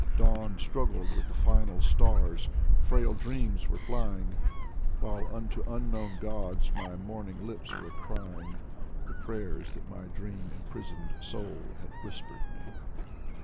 Dawn struggled with the final stars, frail dreams were flying, While unto unknown gods my morning lips were crying The prayers that my dream imprisoned soul had whispered me.